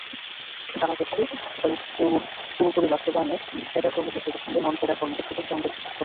জানা গেছে, সুপারিশ পুরোপুরি বাস্তবায়নে ক্যাডার কর্মকর্তাদের সঙ্গে নন-ক্যাডার কর্মকর্তাদের দ্বন্দ্বের সৃষ্টি হতে।